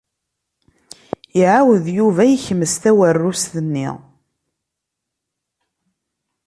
Iɛawed Yuba yekmes tawerrust-nni.